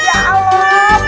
eh apaan tuh